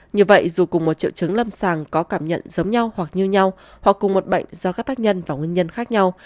như vậy dù cùng một triệu chứng lâm sàng có cảm nhận giống nhau hoặc như nhau hoặc cùng một bệnh do các tác nhân và nguyên nhân khác nhau